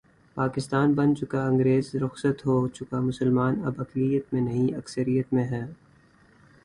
پاکستان بن چکا انگریز رخصت ہو چکا مسلمان اب اقلیت میں نہیں، اکثریت میں ہیں۔